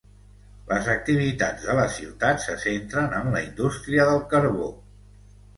Les activitats de la ciutat se centren en la indústria del carbó.